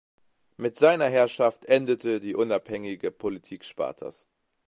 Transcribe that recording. Mit seiner Herrschaft endete die unabhängige Politik Spartas.